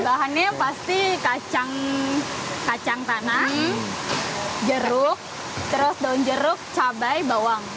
bahannya pasti kacang tanah jeruk terus daun jeruk cabai bawang